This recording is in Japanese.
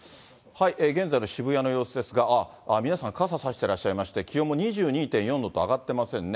現在の渋谷の様子ですが、皆さん、傘差してらっしゃいまして、気温も２２．４度と上がってませんね。